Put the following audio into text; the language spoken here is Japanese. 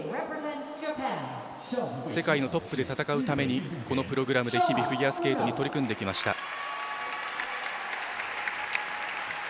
世界のトップで戦うためにこのプログラムで日々、フィギュアスケートに取り組んできました。